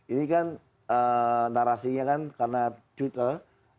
ini kan narasinya kan karena twitter